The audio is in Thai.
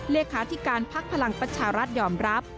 เลขาธิการพักพลังประชารัฐยอมรับ